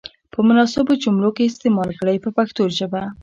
په مناسبو جملو کې یې استعمال کړئ په پښتو ژبه.